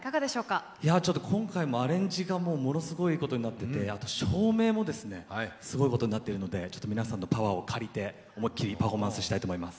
今回もアレンジがすごいことになってて照明もすごいことになってるので皆さんのパワーを借りて思いっきりパフォーマンスしたいと思います。